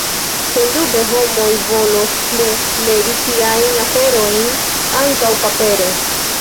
Sendube, homoj volos plu legi tiajn aferojn ankaŭ papere.